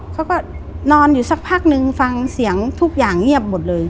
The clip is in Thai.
เขาก็นอนอยู่สักพักนึงฟังเสียงทุกอย่างเงียบหมดเลย